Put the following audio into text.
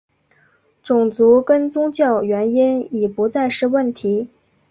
种族跟宗教原因已不再是问题。